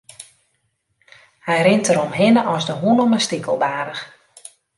Hy rint deromhinne as de hûn om in stikelbaarch.